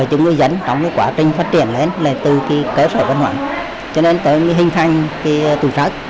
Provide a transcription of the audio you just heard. để chúng người dân trong quá trình phát triển lên từ cơ sở văn hóa cho nên tự hình thành tù sách